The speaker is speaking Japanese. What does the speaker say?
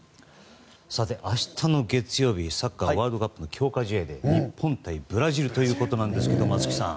明日、月曜日サッカーワールドカップの強化試合で日本対ブラジルということですが松木さん